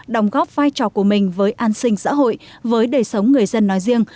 đồng góp vai trò của mình với an sinh xã hội với đời sống người dân nói riêng